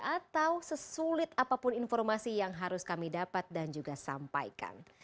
atau sesulit apapun informasi yang harus kami dapat dan juga sampaikan